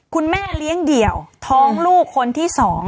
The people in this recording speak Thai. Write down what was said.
คุณแม่เลี้ยงเดี่ยวท้องลูกคนที่๒